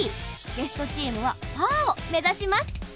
ゲストチームはパーを目指します。